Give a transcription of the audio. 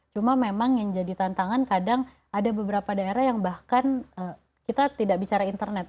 cuma memang yang jadi tantangan kadang ada beberapa daerah yang bahkan kita tidak bicara internet